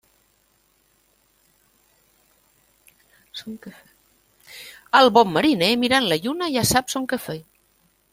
El bon mariner, mirant la lluna ja sap son quefer.